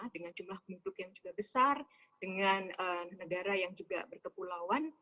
dengan jumlah penduduk yang juga besar dengan negara yang juga berkepulauan